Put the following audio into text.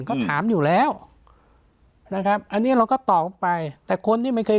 เขาถามอยู่แล้วนะครับอันนี้เราก็ตอบไปแต่คนที่ไม่เคย